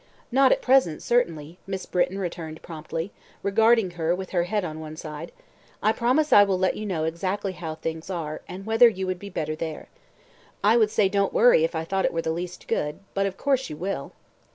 "Not at present, certainly," Miss Britton returned promptly, regarding her with her head on one side. "I promise I will let you know exactly how things are, and whether you would be better there. I would say 'Don't worry' if I thought it were the least good, but, of course, you will."